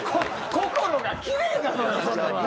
心がキレイなのよそれは。